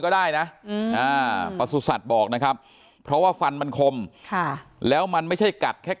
ก็ได้นะประสุทธิ์บอกนะครับเพราะว่าฟันมันคมแล้วมันไม่ใช่กัดแค่